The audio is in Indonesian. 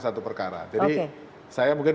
satu perkara jadi saya mungkin